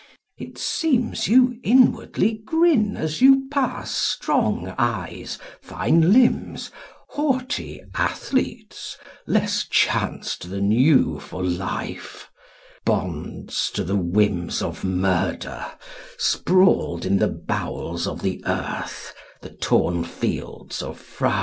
It seems you inwardly grin as you pass Strong eyes, fine limbs, haughty athletes Less chanced than you for life, Bonds to the whims of murder, Sprawled in the bowels of the earth, The torn fields of France.